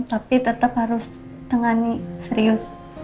tapi tetap harus tangani serius